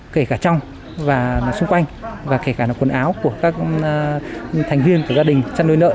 kể cả trong và xung quanh và kể cả là quần áo của các thành viên của gia đình chăn nuôi nợn